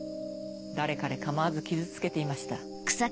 誰彼構わず傷つけていました。